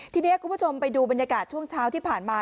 ทีนี้คุณผู้ชมไปดูบรรยากาศช่วงเช้าที่ผ่านมา